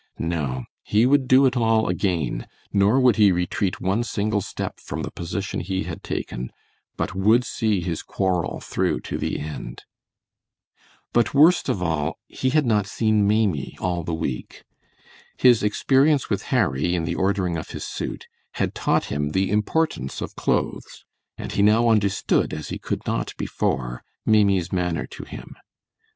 No, he would do it all again, nor would he retreat one single step from the position he had taken, but would see his quarrel through to the end. But worst of all he had not seen Maimie all the week. His experience with Harry in the ordering of his suit had taught him the importance of clothes, and he now understood as he could not before, Maimie's manner to him.